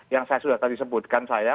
yang saya sudah tadi sebutkan saya